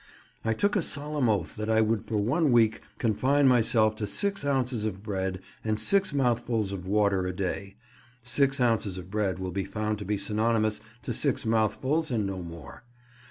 I took a solemn oath that I would for one week confine myself to six ounces of bread and six mouthfuls of water a day (six ounces of bread will be found to be synonymous to six mouthfuls, and no more).